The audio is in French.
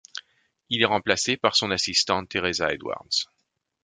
Il est remplacé par son assistante Teresa Edwards.